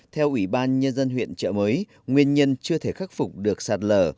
theo ủy ban nhân dân huyện trợ mới nguyên nhân chưa thể khắc phục được sạt lở